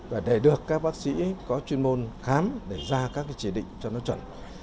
và để được các bác sĩ có chuyên môn khám để ra các chỉ định cho nó chuẩn